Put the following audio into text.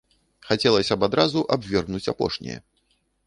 Хацелася б адразу абвергнуць апошняе.